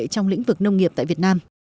trong lĩnh vực nông nghiệp tại việt nam